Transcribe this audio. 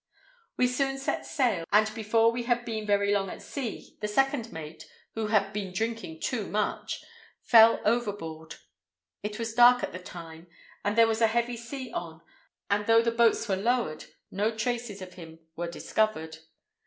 We soon set sail, and before we had been very long at sea, the second mate, who had been drinking too much, fell overboard. It was dark at the time, and there was a heavy sea on, and though the boats were lowered, no traces of him were discovered.